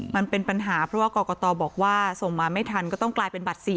มันเป็นปัญหาเพราะว่ากรกตบอกว่าส่งมาไม่ทันก็ต้องกลายเป็นบัตร๔